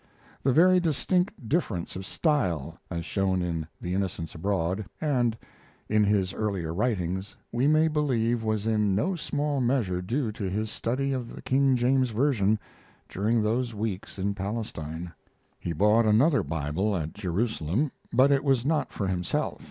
The very distinct difference of style, as shown in The Innocents Abroad and in his earlier writings, we may believe was in no small measure due to his study of the King James version during those weeks in Palestine. He bought another Bible at Jerusalem; but it was not for himself.